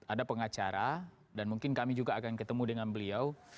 ada pengacara dan mungkin kami juga akan ketemu dengan beliau